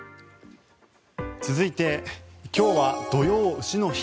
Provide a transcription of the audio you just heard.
続いて今日は土用丑の日。